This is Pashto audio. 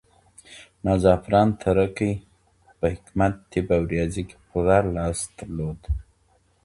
ملا زعفران تره کى په حکمت، طب او رياضي کې پوره لاس درلود.